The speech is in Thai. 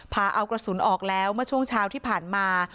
พาเอากระสุนออกแล้วเมื่อช่วงเช้าที่ผ่านมา